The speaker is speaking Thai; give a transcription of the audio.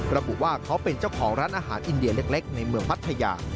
ระบุว่าเขาเป็นเจ้าของร้านอาหารอินเดียเล็กในเมืองพัทยา